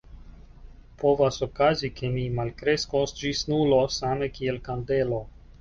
Povas okazi ke mi malkreskos ĝis nulo, same kiel kandelo.